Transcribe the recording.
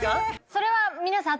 それは皆さん